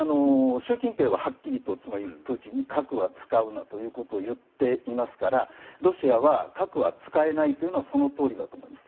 習近平ははっきりとプーチンに核は使うなということを言っていますからロシアは核は使えないというのはそのとおりだと思います。